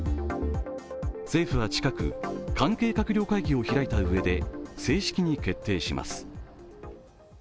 政府は近く、関係閣僚会議を開いたうえで正式に決定します。